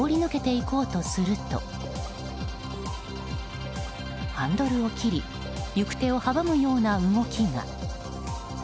その脇を通り抜けて行こうとするとハンドルを切り行く手を阻むような動きが。